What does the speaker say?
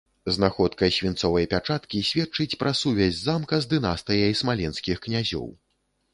Знаходка свінцовай пячаткі сведчыць пра сувязь замка з дынастыяй смаленскіх князёў.